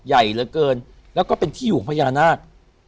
ใหญ่เหลือเกินแล้วก็เป็นที่อยู่ของพญานาค